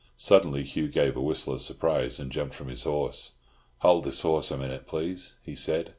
Suddenly Hugh gave a whistle of surprise, and jumped from his horse. "Hold this horse a minute, please," he said.